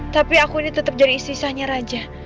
tapi aku ini tetap jadi istri sahnya raja